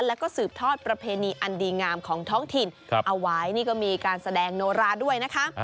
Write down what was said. แล้วก็สืบทอดประเพณีอันดีงามของท้องถิ่นเอาไว้นี่ก็มีการแสดงโนราด้วยนะคะ